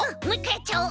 やっちゃおう。